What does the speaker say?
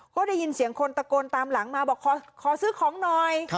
ก็ได้ยินเสียงคนตะโกนตามหลังมาบอกขอซื้อของหน่อย